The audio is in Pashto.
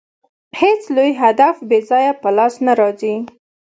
هېڅ لوی هدف بې هیجانه په لاس نه راځي.